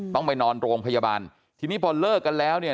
ต้องไปนอนโรงพยาบาลทีนี้พอเลิกกันแล้วเนี่ย